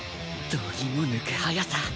度肝抜く速さ。